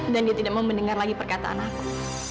dan dia tidak mau mendengar lagi perkataan aku